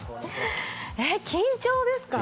え、緊張ですか？